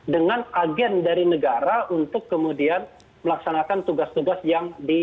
dengan agen dari negara untuk kemudian melaksanakan tugas tugas yang di